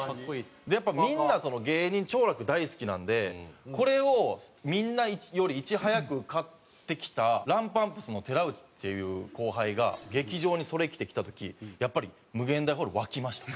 やっぱみんなその芸人兆楽大好きなんでこれをみんなよりいち早く買ってきたランパンプスの寺内っていう後輩が劇場にそれ着てきた時やっぱり∞ホール沸きました。